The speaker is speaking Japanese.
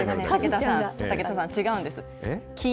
武田さん、違うんです。